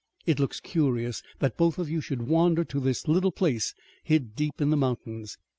It looks curious that both of you should wander to this little place hid deep in the mountains.